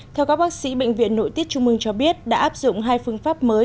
theo các bác sĩ bệnh viện nội tiết trung ương cho biết đã áp dụng hai phương pháp mới